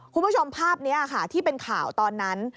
คุณผู้ชมภาพนี้ค่ะที่เป็นข่าวตอนนั้น